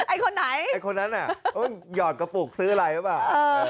ไอ้คนนั้นยอดกระปุกซื้ออะไรหรือเปล่า